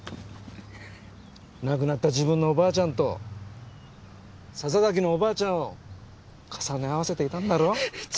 亡くなった自分のおばあちゃんと笹崎のおばあちゃんを重ね合わせていたんだろ？